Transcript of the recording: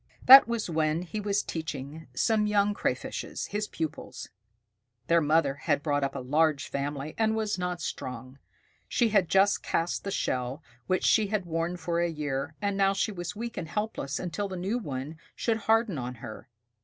That was when he was teaching some young Crayfishes, his pupils. Their mother had brought up a large family, and was not strong. She had just cast the shell which she had worn for a year, and now she was weak and helpless until the new one should harden on her.